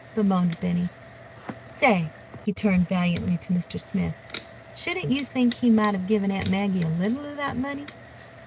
bemoaned Benny. "Say," he turned valiantly to Mr. Smith, "shouldn't you think he might have given Aunt Maggie a little of that money?"